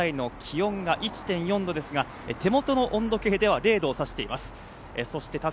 現在の気温が１．４度ですが手元の温度計では０度を指しています。